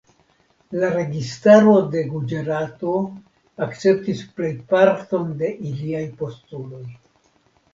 La registaro de Guĝarato akceptis plejparton de iliaj postuloj.